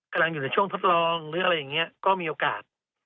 กำลังอยู่ในช่วงทดลองหรืออะไรอย่างนี้ก็มีโอกาส